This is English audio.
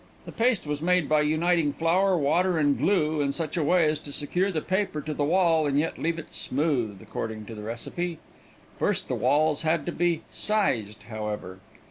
The paste was made by uniting flour, water and glue in such a way as to secure the paper to the wall and yet leave it smooth, according to the recipe. First the walls had to be "sized," however.